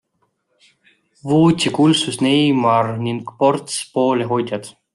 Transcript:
Vutikuulsus Neymar ning ports poolehoidjaid.